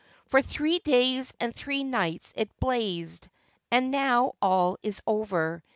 For three days and three nights it blazed, and now all is over.